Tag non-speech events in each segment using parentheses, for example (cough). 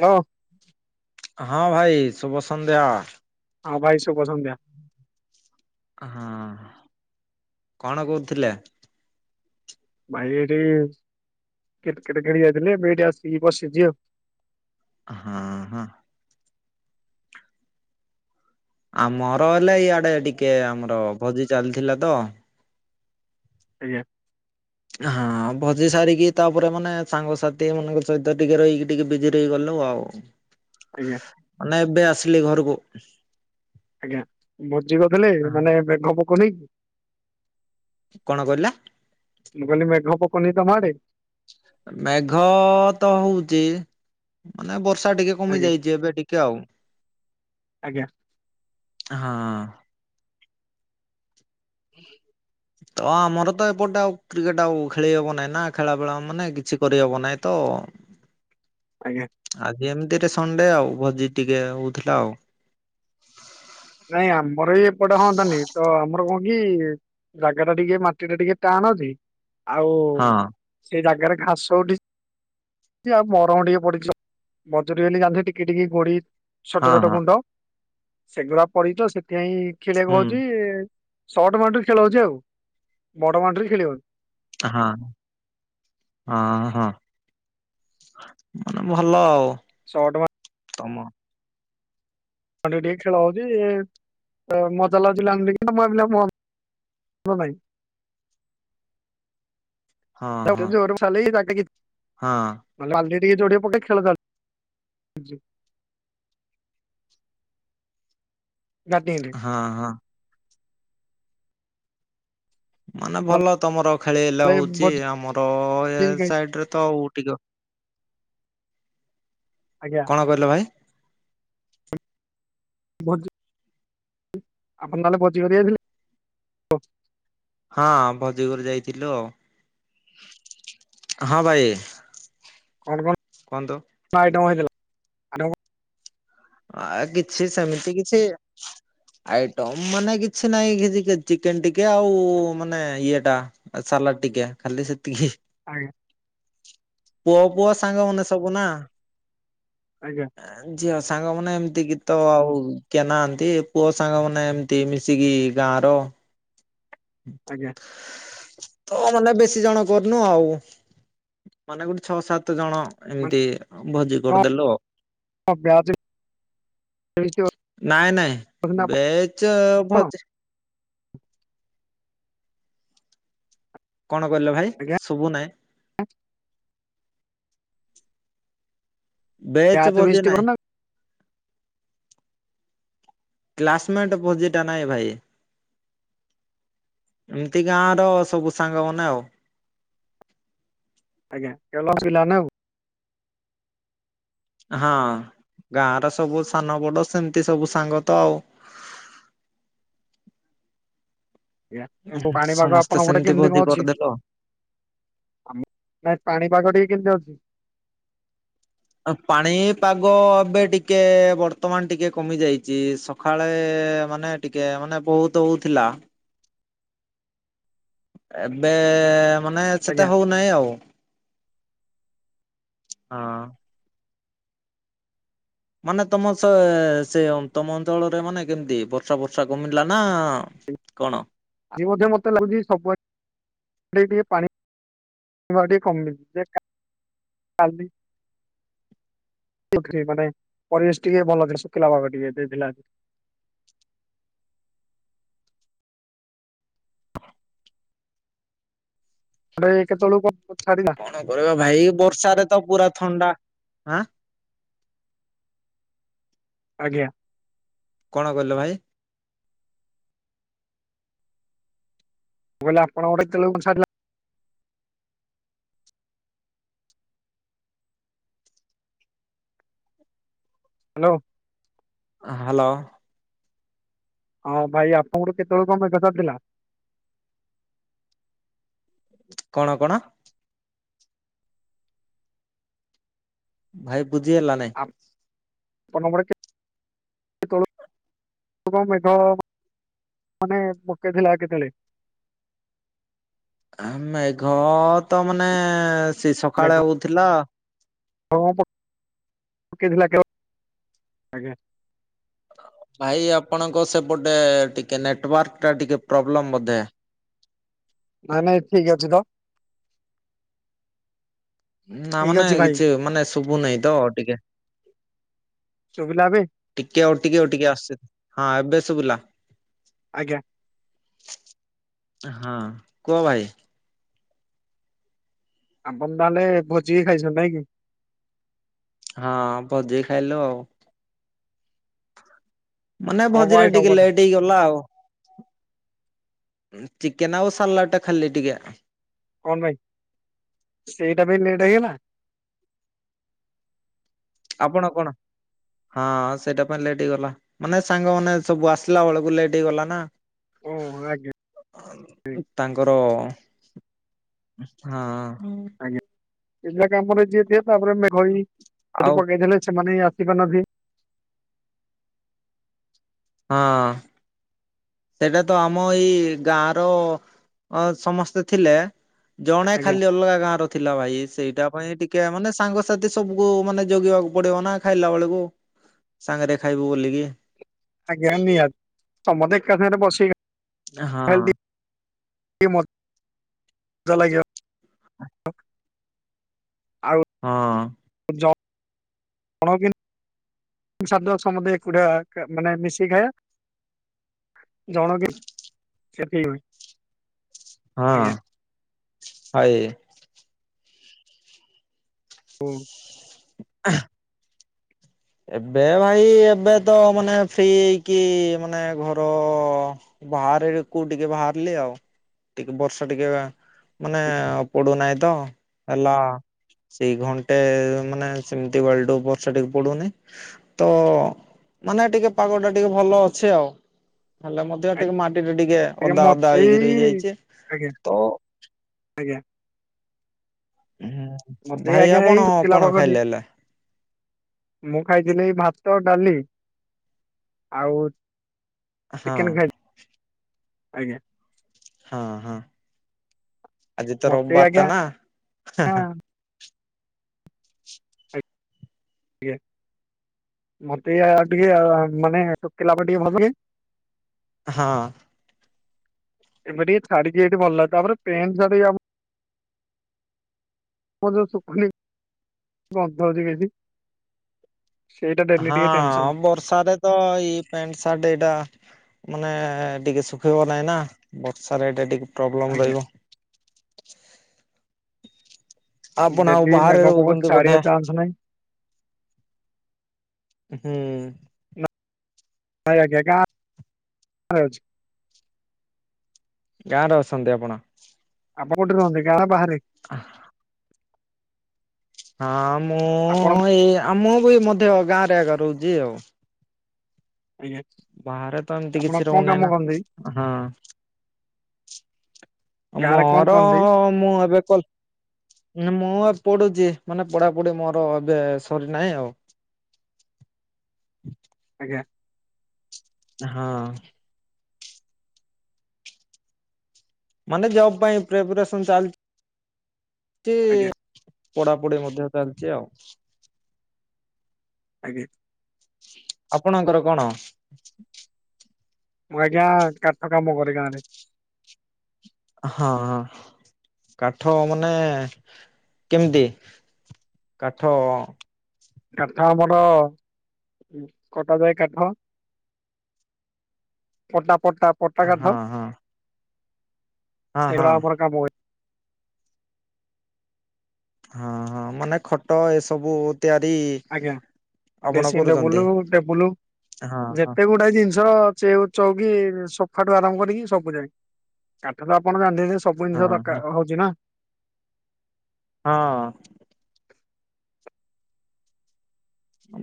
ହଉଁ (unintelligible) ହଁ ଭାଇ ଶୁଭ ସନ୍ଧ୍ୟା, ହଁ ଭାଇ ଶୁଭ ସନ୍ଧ୍ୟା, ହଁ, କଣ କହୁଥିଲେ? ଭାଇ ଏଠି କ୍ରିକେଟ୍ ଖେଳି ଯାଇଥିଲି, ଏବେ ଏଠି ଆସିକି ବସିଛି ଆଉ ହଁ ହଁ ଆମର ହେଲା ଇଆଡେ ଟିକେ ଆମର ଭୋଜି ଚାଲିଥିଲା ତ ଆଜ୍ଞା, ହଁ ଭୋଜି ସାରିକି ତାପରେ ମାନେ ସାଙ୍ଗସାଥି ମାନଙ୍କ ସହିତ ଟିକେ ରହିକି ଟିକେ ବିଜି ରହିଗଲୂ ଆଉ ଆଜ୍ଞା। ନା, ଏବେ ଆସିଲି ଘରକୁ। ଆଜ୍ଞା ଭୋଜି କରିଥିଲେ, ମାନେ ମେଘ ପକଉନିକି କଣ କହିଲା? ମୁଁ କହିଲି ମେଘ ପକଉନି ତମଆଡେ? ମେଘ ତ ହଉଚି, ମାନେ ବର୍ଷା ଟିକେ କମି ଆଜ୍ଞା ଯାଇଛି ଏବେ ଟିକେ ଆଉ ଆଜ୍ଞା (inaudible) ହଁ। (inaudible) ତ ଆମର ତ ଏପଟେ ଆଉ କ୍ରିକେଟ ଆଉ ଖେଳି ହବ ନାହିଁ, ନା ଖେଳାବେେଳା ମାନେ କିଛି କରିହବ ନାହିଁ ତ ଆଜ୍ଞା ଆଜି ଏମିତିରେ ସଣ୍ଡେ ଆଉ, ଭୋଜି ଟିକେ ହଉଥିଲା ଆଉ ନାଇଁ ଆମର ଇ ଏପଟେ ହୁଅନ୍ତାନି, ତ ଆମର କଣ କି ଜାଗା ଟା ଟିକେ ମାଟି ଟା ଟିକେ ଟାଣଅଛି, ଆଉ ହଁ ସେଇ ଜାଗାରେ ଘାସ ଉଠି ଆଉ ମରମ ଟିକେ ପଡିଚି ବଜୁରୀ ବୋଲି ଟିକେ ଟିକେ ଗୋଡି ହଁ ଛୋଟ ଛୋଟ ହଁ ଗୁଣ୍ଡ, ସେଗୁଡା ପଡିଛ ତ ସେଥିପାଇଁ ହୁଁ ଖେଳିବାକୁ ହଉଛି। ସଟ ବାଉଣ୍ଡ୍ରି ରେ ଖେଳ ହଉଛି। ଆଉ ବଡ ବାଉଣ୍ଡ୍ରି ରେ ଖେଳି ହଉନି ହଁ ହଁ ହଁ ମାନେ ଭଲ ଆଉ। (inaudible) ତମ ଖଣ୍ଡି ଟିକେ ଖେଳ ହଉଛି ମଜା ଲାଗୁଥିଲା (unintelligible) ହଁ ଭାଇ- ହଁ ହଁ (unintelligible) ହଁ। ମାନେ ଟିକେ ଯୋଡିଆ ପଟେ ଖେଳ (unintelligible) ଗାଧେଇନି ହଁ ହଁ। ମାନେ ଆପଣ ଭଲ ତମର ଖେଳେଇଲ ନହେଲେ ହଉଛି। ଭୋଜି ଆମର ଏ ଖାଇ- ସାଇଟ୍ ରେ ତ ଆଉ ଟିକେ ଆଜ୍ଞା। କଣ କହିଲ ଭାଇ? ଭୋଜି ଆପଣ ତାହେଲେ ଭୋଜି କରିଯାଇଥିଲେ? ହଁ ଭୋଜିକରି ଯାଇଥିଲୁ ଆଉ ହଁ ଭାଇ କଣ କ ଣ? କୁହନ୍ତୁ? କଣ ଆଇଟମ୍ ହେଇଥିଲା? ଆଇଟମ ଆ କିଛି ସେମିତି କିଛି ଆଇଟମ ମାନେ କିଛି ନାଇଁ କିଛି ଚିକେନ ଟିକେ ଆଉ ମାନେ ଇଏ ଟା ଏ ସାଲାଟ ଟିକେ ଖାଲି ସେତିକି। ଆଜ୍ଞା। ପୁଅ ପୁଅ ସାଙ୍ଗମାନେ ସବୁ ନା? ଆଜ୍ଞା। ଆଁ ଝିଅ ସାଙ୍ଗ ମାନେ ଏମିତି ଗିତ ଆଉ କେ ନାହାନ୍ତି ପୁଅ ସାଙ୍ଗ ମାନେ ଏମତି ମିଶିକି ଗାଁର ଆଜ୍ଞା। ତ ମାନେ ବେଶୀ ଜଣ କରିନୁ ଆଉ। ମାନେ ଗୋଟେ ଛଅ ସାତ ଜଣ ମାନେ ଏମିତି ଭୋଜି କରିଦେଲୁ ଆଉ। ହଁ ବ୍ୟାଚ୍ ବି ନାଇଁ ନାଇଁ କରୁଛନ୍ତି ବେଚ୍ ଆପଣ ଭୋଜି କଣ କହିଲ ଭାଇ? ଆଜ୍ଞା ଶୁବୁ ନାଇ (unintelligible) ବେଚ ବ୍ୟାଚ୍ ଭୋଜି ଫିଷ୍ଟ ନାଇ କରୁନା କ୍ଲାସମେଣ୍ଟ ଭୋଜିଟା ନାଇଁ ଭାଇ। ଏମିତି ଗାଁ ର ସବୁ ସାଙ୍ଗମାନେ ଆଉ। ଆଜ୍ଞା କେବଳ (unintelligible) ପିଲାନା ଆଉ ହଁ ଗାଁର ସବୁ ସାନ ବଡ ସେମିତି ସବୁ ସାଙ୍ଗ ତ ଆଉ। ଆଜ୍ଞା ପାଣିପାଗ ସମସ୍ତେ ଆପଣ ପଟେ ସେମିତି କେମିତି ଭୋଜି କଣ ଅଛି? କରିଦେଲୁ ଆଉ ଆମ (unintelligible) ନ ପାଣିପାଗ ଟିକେ କେମିତି ଅଛି? ପାଣି ପାଗ ଏବେ ଟିକେ ବର୍ତ୍ତମାନ ଟିକେ କମି ଯାଇଛି ସକାଳେ ମାନେ ଟିକେ ମାନେ ବହୁତ ହୋଉଥିଲା ଏବେ ମାନେ ଆଜ୍ଞା ସେତେ ହୋଉନାହିଁ ଆଉ। ହଁ। ମାନେ ତମ ସେ ସେ ତମ ଅଞ୍ଚଳରେ ମାନେ କେମିତି ବର୍ଷା ବର୍ଷା କମିଲା ନା କଣ? ଆଜି ମଧ୍ୟ ମତେ ଲାଗୁଛି ସବୁଆଡେ (unintelligible) ଟିକେ ପାଣି ଆଉ ଟିକେ କମିଚି ଯେ (unintelligible) କାଲି ବଖ୍ରୀ ମାନେ ପରିବେଶ ଟିକେ ଭଲରେ ଶୁଖିଲା ପାଗ ଟିକେ ଦେଇଥିଲା। ଆଡେ କେତେବେଳକୁ ଵର୍ଷା ଛାଡ଼ିଲା? କଣ କରିବା ଭାଇ ବର୍ଷାରେ ତ ପୁରା ଥଣ୍ଡା। ଆଁ ଆଜ୍ଞା? କଣ କହିଲ ଭାଇ? ମୁଁ କହିଲି ଆପଣ କେତେବେଳକୁ ଛାଡ଼ିଲା? ହ୍ୟାଲୋ। ଆ ହ୍ୟାଲୋ। ହଁ ଭାଇ ଆପଣଙ୍କୁୁ କେତେବେଳକୁ କଣ ମେଘ ଛାଡି ଥିଲା? କଣ କଣ? ଭାଇ ବୁଝି ହେଲା ନାଇଁ। ଆପଣ (unintelligible) ସେ ତଳ କଣ ମେଘ ମାନେ ପକେଇଥିଲା କେତେବେଳେ? ଆ ମେଘ ତ ମାନେ ସେ ସକାଳେ ହଉଥିଲା। ହଁ ପକେଇଥିଲା କେ, ଆଜ୍ଞା। ଭାଇ ଆପଣଙ୍କ ସେପଟେ ଟିକେ ନେଟୱାର୍କ ଟା ଟିକେ ପ୍ରୋବ୍ଲେମ ବୋଧେ? ନାଇଁ ନାଇ ଠିକ୍ ଅଛି ତ। ନା ଠିକ ମାନେ ଅଛି ଭାଇ। କିଛି ମାନେ ଶୁଭୁ ନାହିଁ ତ ଟିକେ? ଶୁବିଲାବେ। ଟିକେ, ଆଉ ଟିକେ ଟିକେ, ଆସ ହଁ ଏବେ ଶୁଭିଲା। ଆଜ୍ଞା। ହଁ କୁହ ଭାଇ? ଆପଣ ତାହେଲେ ଭୋଜି ଖାଇଛନ୍ତି ନାଇଁ କି? ହଁ ପଜେଇ ଖାଇଲ। ମାନେ କଣ କଣ ଭୋଜିରେ ଆଇଟମ୍ ଟିକେ କରିଥିଲେ? ଲେଟ୍ ହେଇଗଲା ଆଉ। ଚିକେନ ଆଉ ସାଲାଡ଼ ଟା ଖାଲି ଟିକେ କଣ ପାଇଁ? ସେଇଟା ପାଇଁ ଲେଟ୍ ହେଇଗଲା? ଆପଣ କଣ? ହଁ ସେଇଟା ପାଇଁ ଲେଟ୍ ହେଇଗଲା। ମାନେ ସାଙ୍ଗମାନେ ସବୁ ଆସିଲା ବେଳକୁ, ଲେଟ୍ ହେଇଗଲା ନା। ଓହୋ ଆଜ୍ଞା ତାଙ୍କର ହଁ। ସେଟା କାମରେ ଯିଏ ଦିଏ ତାପରେ, ମେଘୋଇ ସେଠି ଆଉ ପକେଇଥିଲେ, ସେମାନେଁ ଆସିପାରୁନାହାନ୍ତି ହଁ। ସେଇଟା ତ ଆମ ଏଇ ଗାଁର, ସମସ୍ତେ ଥିଲେ। ଜଣେ ଆଜ୍ଞା ଖାଲି ଅଲଗା ଗାଁର ଥିଲା ଭାଇ। ସେଇଟା ପାଇଁ ଟିକେ ମାନେ ସାଙ୍ଗସାଥି ସବୁ ମାନେ, ଜଗିବାକୁ ପଡିବ ନା ଖାଇଲା ବେଳକୁ। ସାଙ୍ଗରେ ଖାଇବୁ ବୋଲିକି ଆଜ୍ଞା, ନିହାତି। ସମସ୍ତେ ଏକା ସାଙ୍ଗରେ ବଶିକୀ ହଁ (unintelligible) ଲାଜ ଲାଗିବ ଆଉ ହଁ। ଯା କ ସମଧେ ଏକୁଆ ମାନେ ମିଶିକି ଖାଇବା (unintelligible) ଜଣ କିି, ସେଠି ହୁଏ ହଁ, ହାଏ ହୁଁ। ଅ ଏବେ ଭାଇ, ଏବେ ତ ମାନେ ଫ୍ରି ହେଇକି, ମାନେ ଘର ବାହାରେ କୋଉ ଟିକେ ବାହାରିଲି ଆଉ ଟିକେ ବର୍ଷା, ଟିକେ ମାନେ ପଡୁନାହିଁ ତ ହେଲା ସେଇ ଘଣ୍ଟେ, ମାନେ ସେମିତି ବାଲି ଟୁ ବର୍ଷା ଟିକେ ପଡୁନି ତ, ମାନେ ଟିକେ ପାଗ ଟା ଟିକେ ଭଲ ଅଛି ଆଉ। ହେଲେ ମଧ୍ୟ ଟିକେ ମାଟି ରେ ଟିକେ ଆଜ୍ଞା ଅଦା ଅଦା ମତେ ହେଇକି ଏଇ ରହିଯାଇଛି। ଆଜ୍ଞା ତ ଆଜ୍ଞା ହୁଁ। ବୋଧେ ଆଜ୍ଞା ଏଇ ଶୁଖିଲା ପାଗ ଦେଇ ମୁଁ ଖାଇଥିଲି ଭାତ ଡାଲି, ଆଉ ହଁ ଚିକେନ ଖାଇ-ଆଜ୍ଞା। ହଁ ହଁ, ଆଜି ତ ମତେ ରବିବାର ଟା ଆଜ୍ଞା ନା। ଆ୍ଞା (inaudible) ମତେ ଇ ଟିକେ ମାନେ ଶଖିଲା ପରେ ଟିକେ ଭଲ କିେ (unintelligible) ହଁ। ଏବେ ଟିକେ ଛାଡିକି ଏଠି ଭଲ ତାପରେ ପେନ୍ା (unintelligible) ମୁଁ ଯୋଉ ଶୁଖନ ବନ୍ଦ ହଉଛି (unintelligible) କିଛି ସେଇଟା ଡେଲି ଟିକେ ଟେନସନ। ସାର ତ ଏଇ ପେଣ୍ଟ ଶର୍ଟ ଏଇଟା। ମାନେ ଟିକେ ଶୁଖେଇବ ନାହିଁ ନା। ବର୍ଷାରେ ଏଟ ଟିକେ ପ୍ରୋବ୍ଲେମ ଆଜ୍ଞା। ରହିବ। ଆପଣ ଆଉ ଡେଲି ବାହାରେ ମେଘ ପକଉଛି ରହୁଛନ୍ତି ବୋଧେ। ଛାଡିବା ଚାନ୍ସ ନାହିଁ ହୁଁ। ହଁ ଆଜ୍ଞା ଗାଁ ରେ ଅଛି। ଗାଁରେ ଅଛନ୍ତି ଆପଣ। ଆପ କୋଉଟି ରୁହନ୍ତି, ଗାଁ ନା ବାହାରେ। ହ (inaudible) ହଁ, ମୁଁ ଆପଣ ଏଇ ଆମ ବି ମଧ୍ୟ ଗାଁରେ ମଧ୍ୟ ରହୁଛି ଆଉ। ଆଜ୍ଞା ବାହାରେ ତ ଏମିତି ଆପଣ କିଛି କଣ ରହୁନାହିଁ କାମ ନା। କରନ୍ତି? ହଁ। ଗାଁରେ କଣ ମୋର କରନ୍ତି ମୁଁ ଏବେ କଲ ମୁଁ ଏ ପଢୁଛି। ମାନେ ପଢାପଢି ମୋର ଏବେ ସରି ନାହିଁ ଆଉ। ଆଜ୍ଞା। ହଁ। ମାନେ ଜବ ପାଇଁ ପ୍ରିପରେସନ୍ ଚାଲଛି। ଆଜ୍ଞା ପଢାପଢି ମଧ୍ୟ ଚାଲିଛି ଆଉ। ଆଜ୍ଞ୍ୟା ଆପଣଙ୍କର କଣ? ମୁଁ ଆଜ୍ଞା କାଠ କାମ କରେ ଗାଁ ରେ। ହଁ। କାଠ ମାନେ କେମିତି? କାଠ କାଠ ଆମର କଟାଯାଏ କାଠ। ପଟା ପଟା ପଟା ହଁ ହଁ। ହଁ ହଁ ସେଗୁଡା ଆମର କାମ ହୁଏ। ହଁ ହଁ। ମାନେ ଖଟ ଏ ସବୁ ତିଆରି ଆଜ୍ଞା, ଆପଣ ଡେସିଂ କରୁଛନ୍ତି ଟେବୁଲ ଟେବୁଲ ହଁ ହଁ ଯେତେ ଗୁଟେ ଗୋଟ ଏ ଜିନିଷର ଚଉ ଚଉକି ସଫାଠୁ ଆରାମ କରିକି ସବୁ ଯାଏ। କାଠ ତ ଆପଣ ଜାଣିଛନ୍ତି। ସବୁ ଜିନିଷ ହଁ ହଁ ଦରକାର ହଉଛି ନା। ହଁ।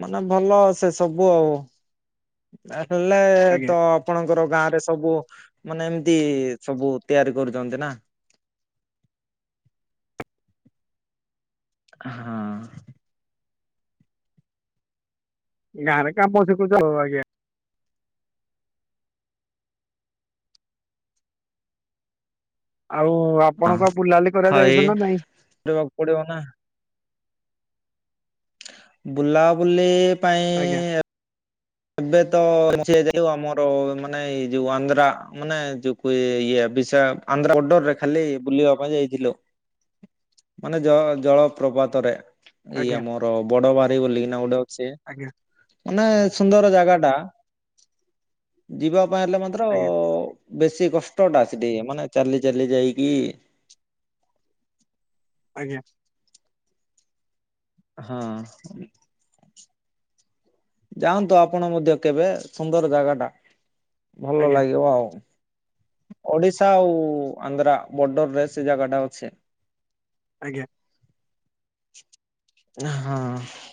ମାନେ ଭଲ ସେ ସବୁ, ଆଉ ହେଲେ ଆଜ୍ଞା ତ ଆପଣଙ୍କର ଗାଁ ରେ ସବୁ ମାନେ ଏମିତି ସବୁ ତିଆରି କରୁଛନ୍ତି ନା ହଁ। ଗାଁ ରେ କାମ ଶିଖୁଛନ୍ତି, ହଁ ଆଜ୍ଞା। ଆଉ ଆପଣଙ୍କୁ ଆଉ ବୁଲାବୁଲି ହଇ କରୀଯାଇଛ ନା ନାଇଁ। କରିବାକୁ ପଡିବ ନା। ବୁଲାବୁଲି ଆଜ୍ଞା ପାଇଁ ଏବେ ତ ଯାଇଥିଲୁ, ଆମର ମାନେ ଏଇ ଯୋଉ ଆନ୍ଧ୍ରା। ମାନେ ଯୋଉ ଏଇ ବିଶା, ଆନ୍ଧ୍ରାବଡ଼ରରେ ଖାଲି ବୁଲିବା ପାଇଁ ଯାଇଥିଲୁ। ମାନେ ଜ ଜଳ ପ୍ର୍ରପାତରେ। ଏଇ ଆଜ୍ଞା ଆମର ବଡ ବାହାରି ବୋଲିକିନା ଗୋଟେ ଅଛ। ଆଜ୍ଞା ମାନେ- ସୁନ୍ଦର ଜାଗା ଟା, ଯିବା ପାଇଁ ହେଲେ ମାତ୍ର, ଆଜ୍ଞା ବେଶୀ କଷ୍ଟ ଟା ସେଠିକି ମାନେ ଚାଲି ଚାଲି ଯାଇକି ଆଜ୍ଞା। ହଁ। ଯାଆନ୍ତୁ ଆପଣ ମଧ୍ୟ କେବେ ସୁନ୍ଦର ଜାଗା ଟା ଭଲ ଆଜ୍ଞା ଲାଗିବ ଆଉ। ଓଡିଶା ଆଉ ଆନ୍ଧ୍ରା ବର୍ଡର ରେ ସେ ଜାଗା ଟା ଅଛି। ଆଜ୍ଞା। ହଁ।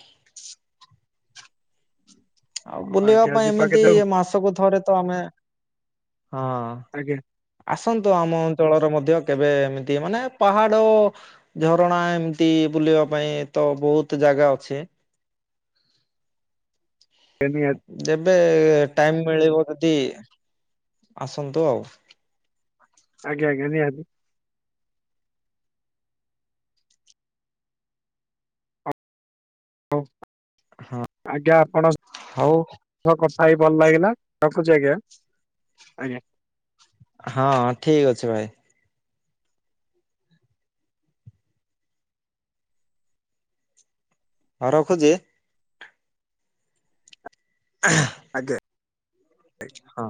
ଆଉ ବୁଲିବା ଆଜ୍ଞା ପାଇଁ ଯିବା ଏମିତି କେତେବେଳକୁ ମାସକୁ ଥରେ ତ ଆମେ ହଁ। ଆଜ୍ଞା। ଆସନ୍ତୁ ଆମ ଅଞ୍ଚଳରେ ମଧ୍ୟ କେବେ ଏମିତି ମାନେ ପାହାଡ ଝରଣା ଏମିତି ବୁଲିବା ପାଇଁ ତ ବହୁତ ଜାଗା ଅଛି। (unintelligible) ଯେବେ ଟାଇମ ମିଳିବ ଯଦି ଆସନ୍ତୁ ଆଉ। ଆଜ୍ଞ ଆଜ୍ଞା ନିହାତି। ହଉ ଆଜ୍ଞା ଆପଣ। ହଉ। କଥା ହେଇ ଭଲ ଲାଗିଲା ରଖୁଛି ଆଜ୍ଞା ଆଜ୍ଞା। ହଁ ଠିକ ଅଛି ଭାଇ। ହଁ ରଖୁଛି। (unintelligible) ଆଜ୍ଞା। ହଁ।